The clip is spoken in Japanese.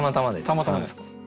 たまたまです。